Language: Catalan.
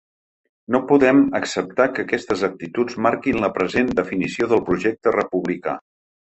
No podem acceptar que aquestes actituds marquin la present definició del projecte republicà.